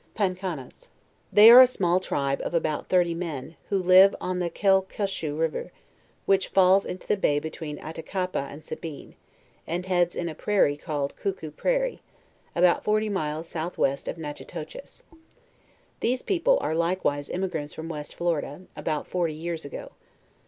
PACANAS, They are a small tribe of about thirty men, who live on the Quelqueshoe river, which falls into the bay between Attaka )pa and Sabine, which heads in a prairie called Cooko Prairie, about forty miles south west of Natehi toches. These people *are likewise emigrants from West Florida, about forty years ago.